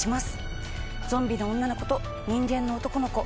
ゾンビの女の子と人間の男の子。